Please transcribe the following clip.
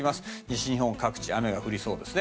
西日本各地、雨が降りそうです。